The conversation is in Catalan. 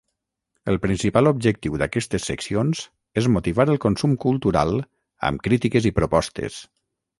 El principal objectiu d'aquestes seccions és motivar el consum cultural amb crítiques i propostes.